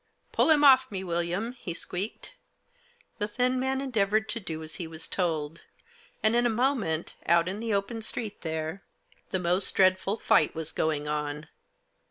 w Pull him off me, William," he squeaked. The thin man endeavoured to do as he was told. And, in a moment, out in the open street there, the most dreadful fight was going on.